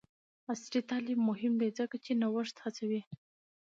عصري تعلیم مهم دی ځکه چې نوښت هڅوي.